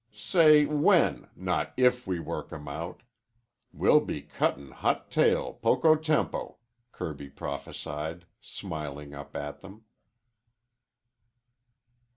"Say when, not if, we work 'em out. We'll be cuttin' hot trail poco tempo," Kirby prophesied, smiling up at them.